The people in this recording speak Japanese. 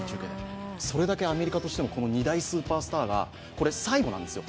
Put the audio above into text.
それだけアメリカとしても２大スーパースターがこれ、最後なんですよ。